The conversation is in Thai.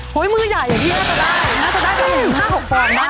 เฮ้ยมือใหญ่อย่างนี้น่าจะได้น่าจะได้๕๖ฟังได้